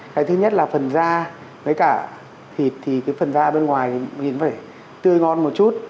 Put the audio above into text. cái thứ nhất là phần da với cả thịt thì cái phần da bên ngoài nhìn về tươi ngon một chút